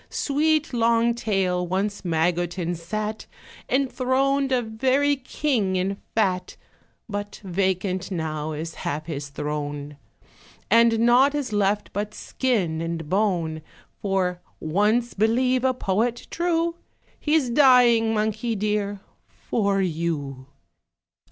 Sweet long tail, once Magotin sat Enthroned a very king in fat; But vacant now is half his throne, And naught is left but skin and bone; For (once believe a Poet true) He's dying, monkey dear! for you.